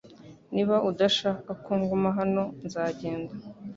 Niba udashaka ko nguma hano nzagenda